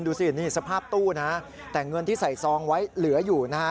ดูสินี่สภาพตู้นะแต่เงินที่ใส่ซองไว้เหลืออยู่นะฮะ